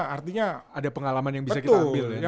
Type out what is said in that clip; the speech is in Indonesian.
artinya ada pengalaman yang bisa kita ambil ya